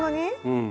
うん。